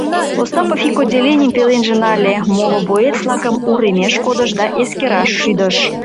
Остапов ик отделенийым пеленже нале, моло боец-влакым уремеш кодыш да эскераш шӱдыш.